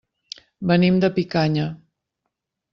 Venim de Picanya.